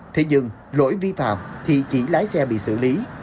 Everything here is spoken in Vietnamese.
thế nhưng lỗi vi phạm thì chỉ lái xe bị xử lý